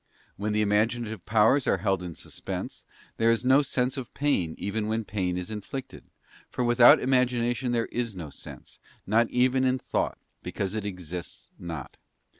When the imaginative powers are held in suspense, there is no sense of pain even when pain is inflicted; for without imagina tion there is no sense, not even in thought, because it exists not.